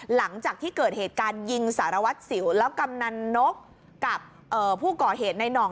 หลังจากที่เกิดเหตุการณ์ยิงสารวัตรสิวแล้วกำนันนกกับผู้ก่อเหตุในหน่อง